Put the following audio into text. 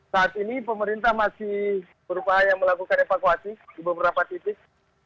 saat ini pemerintah masih berupaya melakukan evakuasi di beberapa titik